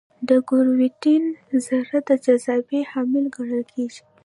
د ګرویتون ذره د جاذبې حامل ګڼل کېږي.